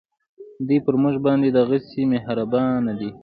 دی پر مونږ باندې دغهسې مهربانه